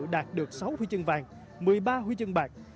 đạt được sáu huy chương vàng một mươi ba huy chương bạc